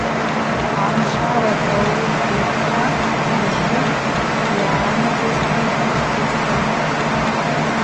Гӏаншаракӏ ауи йхъа ужвы йъагӏадзазгьи йгьтыцӏхуам.